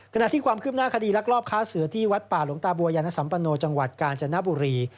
ขณะที่ความคืบหน้าคดีลักลอบค้าเสือที่วัดป่าหลวงตาบัวยานสัมปโนจังหวัดกาญจนบุรี